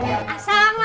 pak dipanggilin sama emak